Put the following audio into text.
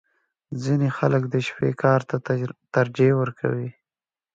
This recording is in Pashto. • ځینې خلک د شپې کار ته ترجیح ورکوي.